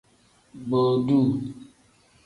Boduu.